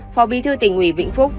phò bi thư tỉnh ủy vĩnh phúc